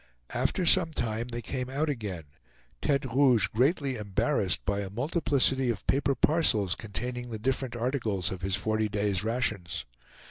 After some time they came out again, Tete Rouge greatly embarrassed by a multiplicity of paper parcels containing the different articles of his forty days' rations.